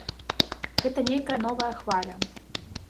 Гэта нейкая новая хваля.